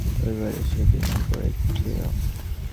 রবিবার এসে ডিনার করে যেও।